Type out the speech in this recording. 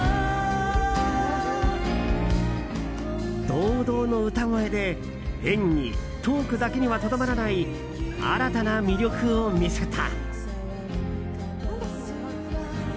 堂々の歌声で演技、トークだけにはとどまらない新たな魅力を見せた。